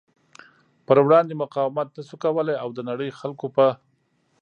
پر وړاندې مقاومت نشو کولی او د نړۍ خلکو په